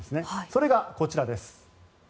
それがこちらです。